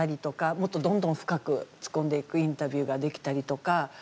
もっと、どんどん深く突っ込んでいくインタビューができたりとか。